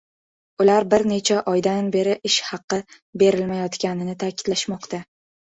Ular bir necha oydan beri ish haqi berilmayotganini ta'kidlashmoqda.